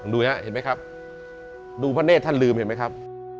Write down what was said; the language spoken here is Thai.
ดูนะเห็นมั้ยครับดูพระเนศท่านลืมเห็นมั้ยครับ